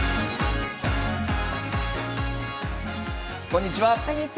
こんにちは。